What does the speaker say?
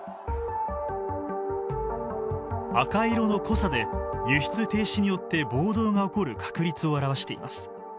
赤色の濃さで輸出停止によって暴動が起こる確率を表しています。